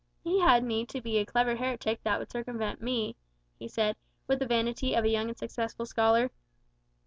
"He had need to be a clever heretic that would circumvent me," he said, with the vanity of a young and successful scholar.